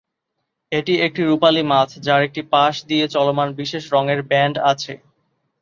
এটি একটি রূপালী মাছ যার একটি পাশ দিয়ে চলমান বিশেষ রঙের ব্যান্ড আছে।